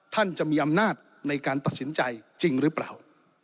ท่านจะมีอำนาจในการตัดสินใจจริงหรือเปล่า